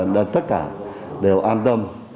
tất cả đều an tâm